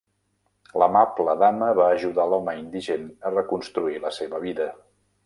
L'amable dama va ajudar l'home indigent a reconstruir la seva vida.